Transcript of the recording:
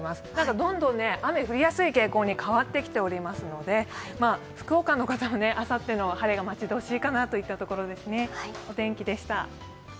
どんどん雨降りやすい傾向に変わってきておりますので、福岡の方もあさっての晴れが待ち遠しかなといったところです。